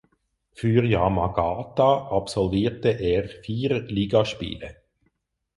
Für Yamagata absolvierte er vier Ligaspiele.